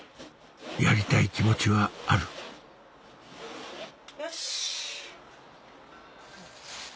やりたい気持ちはあるよし！